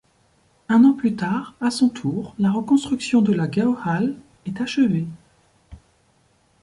Un an plus tard, à son tour la reconstruction de la Gäuhalle est achevée.